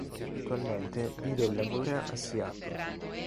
Attualmente vive e lavora a Seattle.